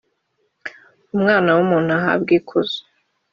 Umwana w umuntu ahabwe ikuzo